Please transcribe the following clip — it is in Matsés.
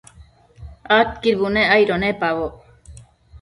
Adquid bunec aido nepaboc